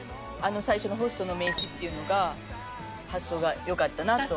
最初の「ホストの名刺」っていうのが発想がよかったなと。